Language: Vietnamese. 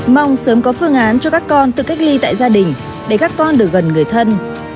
mong sớm có phương án cho các con tự cách ly tại gia đình để các con được gần người thân